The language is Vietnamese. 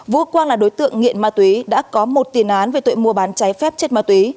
vũ quang là đối tượng nghiện ma túy đã có một tiền án về tội mua bán trái phép chất ma túy